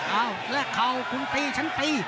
แล้วเข้าคุณตีฉันตี